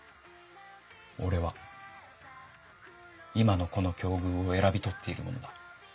俺は今のこの境遇を選び取っている者だ。